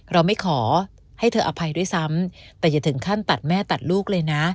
เราไม่ขอให้เธออภัยด้วยซ้ำแต่อย่าถึงขั้นตัดแม่ตัดลูกเลยนะ